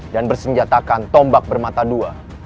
dan bersenjatakan tombak bermata dua